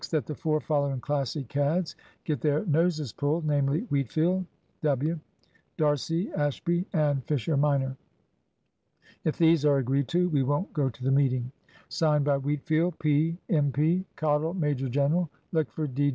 That the four following Classic cads get their noses pulled; namely Wheatfield, W., D'Arcy, Ashby, and Fisher minor. "If these are agreed to, we won't go to the meeting." (Signed by) Wheatfield, P., M.P. Cottle, Major General. Lickford, D.